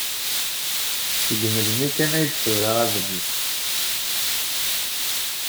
Seg melmi kan ay d-tura adlis.